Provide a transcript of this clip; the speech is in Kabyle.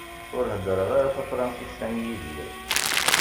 Ur heddreɣ ara Tafransist am Yidir.